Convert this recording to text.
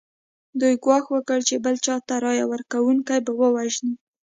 دوی ګواښ وکړ چې بل چا ته رایه ورکونکي به ووژني.